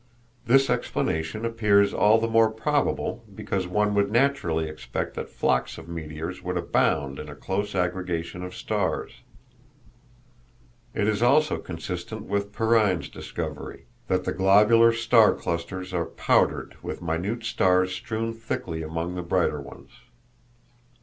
This explanation appears all the more probable because one would naturally expect that flocks of meteors would abound in a close aggregation of stars. It is also consistent with Perrine's discovery—that the globular star clusters are powdered with minute stars strewn thickly among the brighter ones.